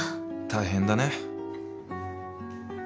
大変だね。